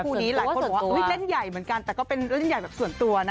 นี้หลายคนบอกว่าเล่นใหญ่เหมือนกันแต่ก็เป็นเรื่องใหญ่แบบส่วนตัวนะ